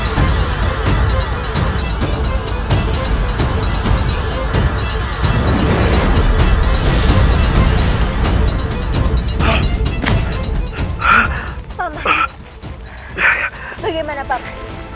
sampai jumpa di video berikutnya